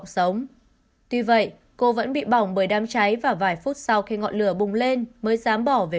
sống tuy vậy cô vẫn bị bỏng bởi đám cháy và vài phút sau khi ngọn lửa bùng lên mới dám bỏ về